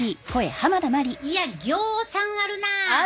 いやぎょうさんあるなあ。